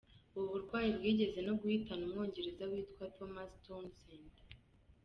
Ubu burwayi bwigeze no guhitana Umwongereza witwa Thomas Townsend.